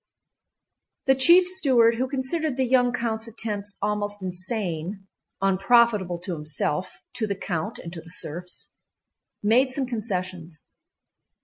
The chief steward, who considered the young count's attempts almost insane—unprofitable to himself, to the count, and to the serfs—made some concessions.